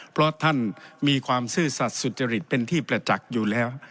เพราะท่านมีความซื่อสัตว์สุจริตเป็นที่ประจักษ์อยู่แล้ว